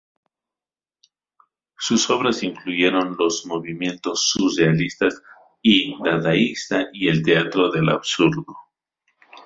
Sus obras influyeron los movimientos surrealista y dadaísta y el teatro del absurdo.